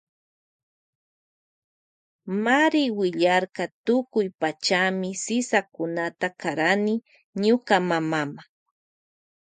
Mari willarka tukuy pachami sisakunata karani ñuka mamama.